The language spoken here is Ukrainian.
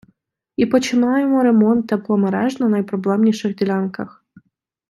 І починаємо ремонт тепломереж на найпроблемніших ділянках.